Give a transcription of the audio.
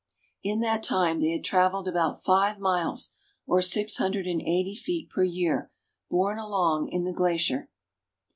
In that time they had traveled about five miles, or six hundred and eighty feet per year, borne along in the glacier.